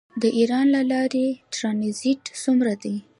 د ایران له لارې ټرانزیټ څومره دی؟